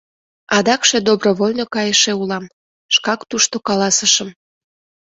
Адакше добровольно кайыше улам, шкак тушто каласышым.